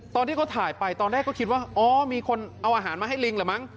ตอนที่เขาถ่ายไปตอนแรกก็คิดว่าอ๋อมีคนเอาอาหารมาให้ลิงเหรอมั้ง